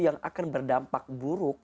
yang akan berdampak buruk